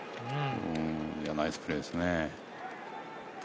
ナイスプレーですね。